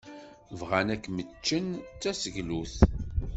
Bɣan ad kem-ččen d taseglut.